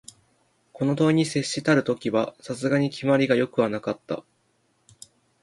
この問に接したる時は、さすがに決まりが善くはなかった